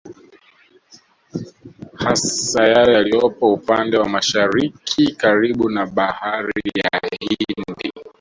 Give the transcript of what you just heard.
Hasa yale yaliyopo upande wa Masahariki karibu na bahari ya Hindi